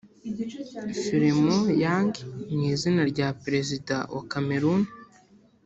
Philemon Yang mu izina rya Perezida wa Cameroon